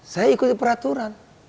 saya ikuti peraturan